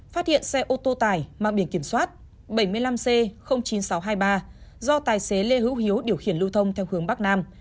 phát hiện xe ô tô tải mang biển kiểm soát bảy mươi năm c chín nghìn sáu trăm hai mươi ba do tài xế lê hữu hiếu điều khiển lưu thông theo hướng bắc nam